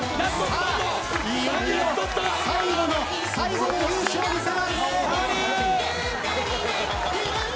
いよいよ最後の雄姿を見せます。